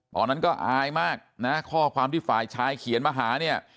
ตอนนั้นก็อายมากนะข้อความที่ฝ่ายชายเขียนมาหาเนี่ย